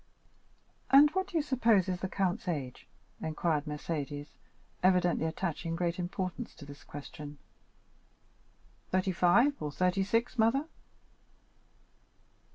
"And what do you suppose is the count's age?" inquired Mercédès, evidently attaching great importance to this question. "Thirty five or thirty six, mother."